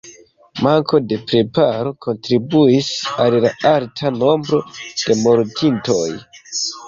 Manko de preparo kontribuis al la alta nombro de mortintoj.